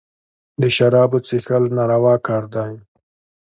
د شرابو څېښل ناروا کار دئ.